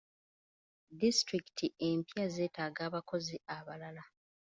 Disitulikiti empya zeetaaga abakozi abalala.